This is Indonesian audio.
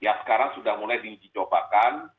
ya sekarang sudah mulai diujicobakan